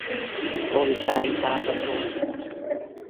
กลไกการประชุม